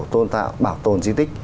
tôn tạo bảo tồn di tích